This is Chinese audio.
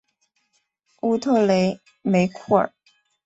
乌特雷梅库尔。